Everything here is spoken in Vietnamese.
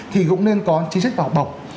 thì cũng nên có chính sách vào học bổng